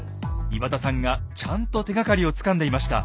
岩田さんがちゃんと手がかりをつかんでいました。